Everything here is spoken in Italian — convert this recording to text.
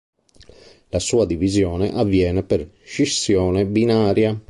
La sua divisione avviene per scissione binaria.